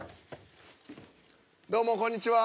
どうもこんにちは。